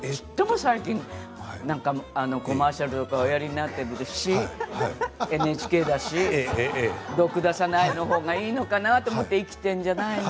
最近コマーシャルとかおやりになっているしＮＨＫだし毒出さないほうがいいのかなと思って生きているんじゃないの？